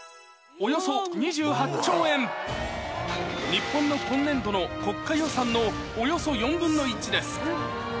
日本の今年度の国家予算のおよそ４分の１です